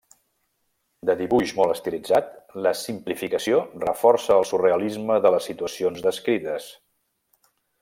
De dibuix molt estilitzat, la simplificació reforça el surrealisme de les situacions descrites.